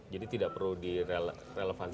jadi tidak perlu direlevansikan